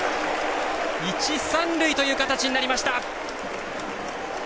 一塁三塁という形になりました。